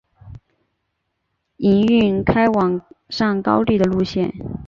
营运开往上高地的路线。